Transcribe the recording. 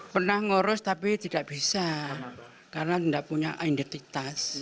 pernah ngurus tapi tidak bisa karena tidak punya identitas